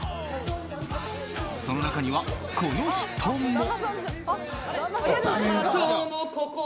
その中には、この人も。